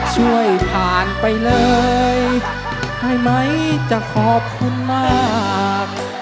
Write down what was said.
ช่วยผ่านไปเลยได้ไหมจะขอบคุณมาก